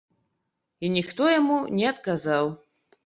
І ніхто яму не адказаў.